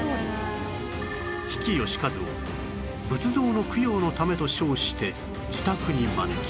比企能員を仏像の供養のためと称して自宅に招き